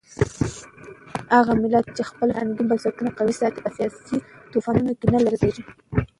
هغه ملت چې خپل فرهنګي بنسټونه قوي ساتي په سیاسي طوفانونو کې نه لړزېږي.